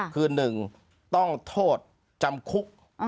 คือหนึ่งต้องโทษจำคุก